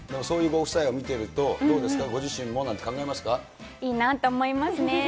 そういうご夫妻を見ていると、どうですか、いいなって思いますね。